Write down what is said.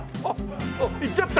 行っちゃった。